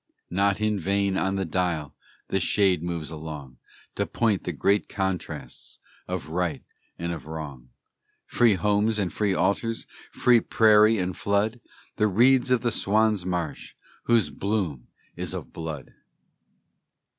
Not in vain on the dial The shade moves along, To point the great contrasts Of right and of wrong: Free homes and free altars, Free prairie and flood, The reeds of the Swan's Marsh, Whose bloom is of blood!